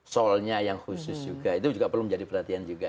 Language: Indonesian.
solnya yang khusus juga itu juga perlu menjadi perhatian juga